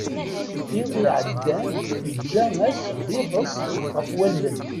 Iḍ iɛeddan yeǧǧa-as-d iḍes ɣef wallen.